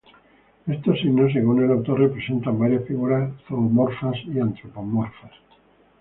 Estos signos según el autor, representan varias figuras zoomorfas y antropomorfas.